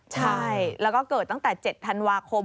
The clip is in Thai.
ใช่แล้วก็เกิดตั้งแต่๗ธันวาคม